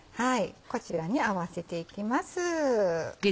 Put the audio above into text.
こちらに合わせていきます。